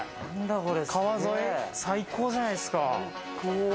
川沿い最高じゃないですか。